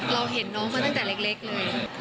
เราเห็นน้องมาตั้งแต่เล็กเลย